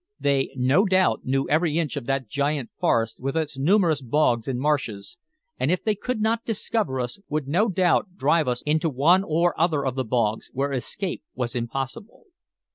They, no doubt, knew every inch of that giant forest with its numerous bogs and marshes, and if they could not discover us would no doubt drive us into one or other of the bogs, where escape was impossible.